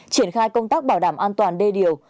triển khai công tác bảo đảm an toàn đê điều